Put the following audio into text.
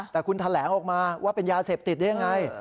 แต่คุณแถลงออกมาว่าเป็นยาเสพติดได้ยังไง